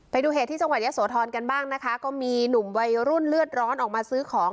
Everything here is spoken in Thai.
ไปดูเหตุที่จังหวัดยะโสธรกันบ้างนะคะก็มีหนุ่มวัยรุ่นเลือดร้อนออกมาซื้อของ